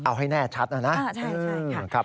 เอาให้แน่ชัดนะใช่ครับ